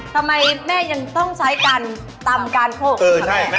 ทำไมแม่ยังต้องใช้